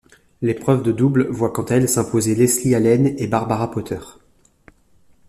L'épreuve de double voit quant à elle s'imposer Leslie Allen et Barbara Potter.